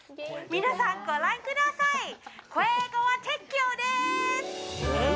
皆さん、ご覧ください！